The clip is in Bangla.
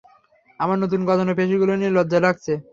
আমার নতুন গজানো পেশীগুলো নিয়ে লজ্জা লাগছে।